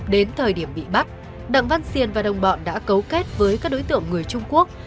đến thời điểm bị bắt đặng văn xiên và đồng bọn đã cấu kết với các đối tượng người trung quốc